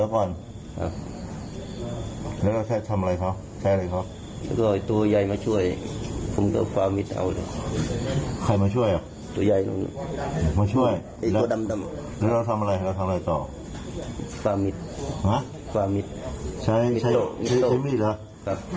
เป็นไงบ้างครับ